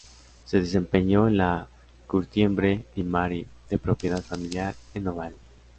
Se desempeñó en la Curtiembre Limarí, de propiedad familiar, en Ovalle.